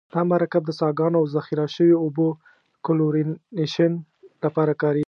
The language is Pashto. دا مرکب د څاګانو او ذخیره شویو اوبو کلورینیشن لپاره کاریږي.